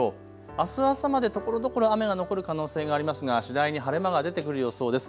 あす朝までところどころ雨が残る可能性がありますが次第に晴れ間が出てくる予想です。